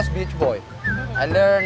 saya seorang lelaki pantai